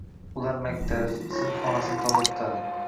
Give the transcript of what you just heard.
Ular maktab, sinfxonasini ozoda tutadi.